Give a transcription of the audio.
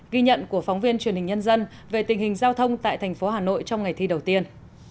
ghi nhận của phóng viên truyền hình nhân dân về tình hình giao thông tại thành phố hà nội trong ngày thi đầu tiên